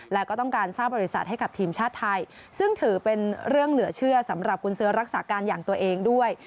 แล้วก็ต้องการสร้างบริษัทให้กับทีมชาติไทยซึ่งถือเป็นเรื่องเหลือเชื่อสำหรับกุญซื้อรักษาการอย่างตัวเองด้วย